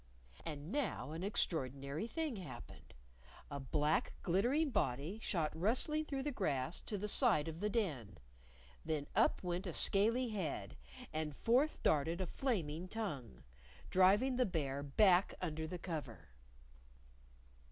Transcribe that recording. And now an extraordinary thing happened: A black glittering body shot rustling through the grass to the side of the Den. Then up went a scaly head, and forth darted a flaming tongue driving the Bear back under the cover!